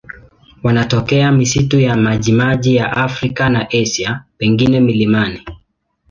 Wanatokea misitu ya majimaji ya Afrika na Asia, pengine milimani.